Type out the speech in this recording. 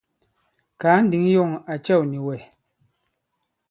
Kàa ǹdǐŋ yɔ̂ŋ à cɛ̂w nì wɛ̀.